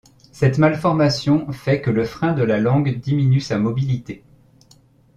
Cette malformation fait que le frein de la langue diminue sa mobilité.